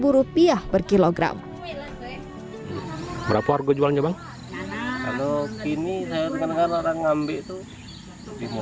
rp dua ribu per kilogram berapa harga jualnya bang kalau gini saya menekan mengambek itu